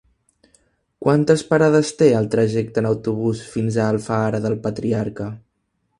Quantes parades té el trajecte en autobús fins a Alfara del Patriarca?